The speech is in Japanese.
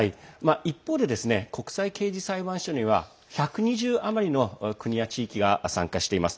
一方で国際刑事裁判所には１２０余りの国や地域が参加しています。